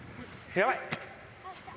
やばい。